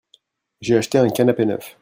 j'ai acheté un canapé neuf.